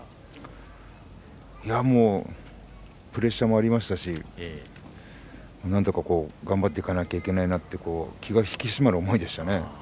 プレッシャーもありましたしなんとか頑張っていかなければいけないなと気が引き締まる思いでした。